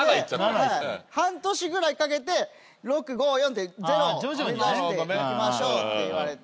なので半年ぐらいかけて６５４って０を目指していきましょうって言われて。